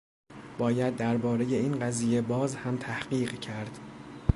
باید در بارهٔ این قضیه باز هم تحقیق کرد.